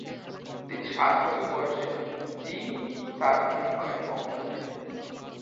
তিনি সাত বছর বয়সে জী সারগেমপায় অংশ নেন।